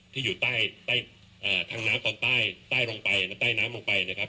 ที่อยู่ทางน้ำตอนใต้ใต้น้ำลงไป